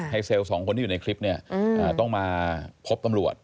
เซลล์สองคนที่อยู่ในคลิปเนี่ยต้องมาพบตำรวจ